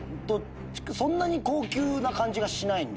そんなに高級な感じがしないんで。